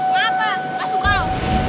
kenapa ga suka lo